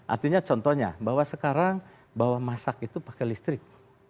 artinya contohnya bahwa sekarang bahwa masak itu pakai listrik